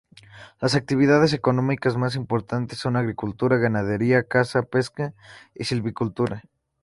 Las actividades económicas más importantes son agricultura, ganadería, caza, pesca y silvicultura.